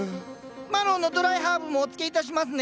マロウのドライハーブもおつけいたしますね。